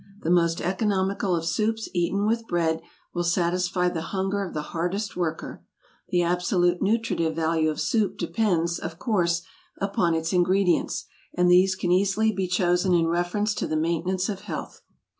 The most economical of soups, eaten with bread, will satisfy the hunger of the hardest worker. The absolute nutritive value of soup depends, of course, upon its ingredients; and these can easily be chosen in reference to the maintenance of health.